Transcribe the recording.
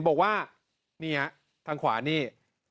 บอกว่านี่ฮะทางขวานี่